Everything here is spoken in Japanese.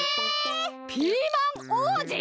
ピーマンおうじ！？